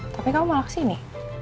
tapi kamu malah kesini